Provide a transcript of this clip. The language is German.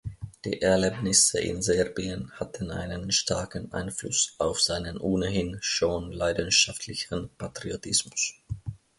Die Erlebnisse in Serbien hatten einen starken Einfluss auf seinen ohnehin schon leidenschaftlichen Patriotismus.